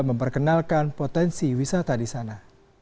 memperkenalkan potensi wisata di sana